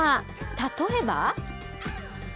例えば。